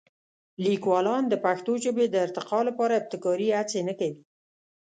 لیکوالان د پښتو ژبې د ارتقا لپاره ابتکاري هڅې نه کوي.